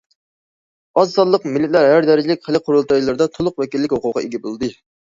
ئاز سانلىق مىللەتلەر ھەر دەرىجىلىك خەلق قۇرۇلتايلىرىدا تولۇق ۋەكىللىك ھوقۇقىغا ئىگە بولدى.